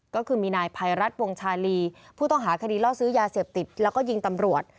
ก็คือมีนายภัยรัฐวงชาลีผู้ต้องหาคดีล่อซื้อยาเสพติดแล้วก็ยิงตำรวจ